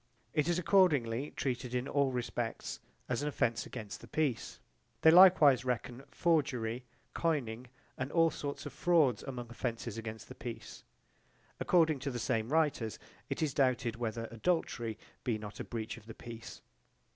It is accordingly treated in all respects as an offence against the peace. They likewise reckon forgery, coining, and all sorts of frauds among offences against the peace. According to the same writers it is doubted whether adultery be not a breach of the peace.